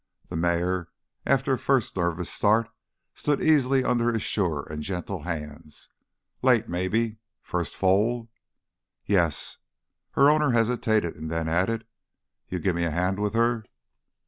The mare, after a first nervous start, stood easy under his sure and gentle hands. "Late, maybe. First foal?" "Yes." Her owner hesitated and then added, "You give me a hand with her?"